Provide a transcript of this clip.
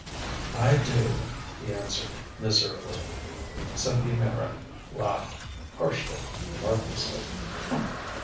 "I do," he answered miserably. Cynthia Meyrick laughed, harshly, mirthlessly.